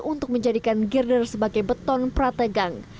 untuk menjadikan girder sebagai beton prategang